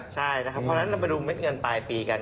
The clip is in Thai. ใช่นะครับเพราะฉะนั้นเราไปดูเม็ดเงินปลายปีกัน